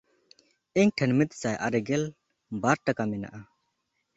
ᱤᱧ ᱴᱷᱮᱱ ᱢᱤᱫᱥᱟᱭ ᱟᱨᱮ ᱜᱮᱞ ᱵᱟᱨ ᱴᱟᱠᱟ ᱢᱮᱱᱟᱜᱼᱟ᱾